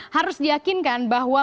harus diakinkan bahwa